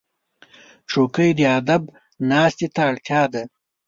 چوکۍ د ادب ناستې ته اړتیا ده.